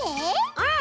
うん！